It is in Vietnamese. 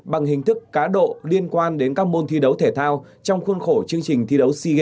bằng hình thức cá độ liên quan đến các môn thi đấu thể thao trong khuôn khổ chương trình thi đấu sea games